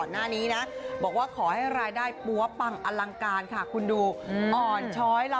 เนี่ย